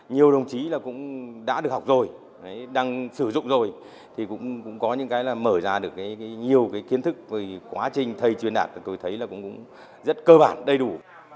nhiều đồng chí đã được học rồi đang sử dụng rồi thì cũng có những cái là mở ra được nhiều kiến thức về quá trình thay chuyên đạt tôi thấy là cũng rất cơ bản đầy đủ